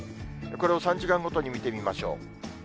これを３時間ごとに見てみましょう。